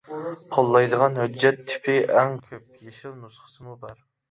قوللايدىغان ھۆججەت تىپى ئەڭ كۆپ، يېشىل نۇسخىسىمۇ بار.